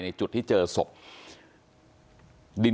แม่น้องชมพู่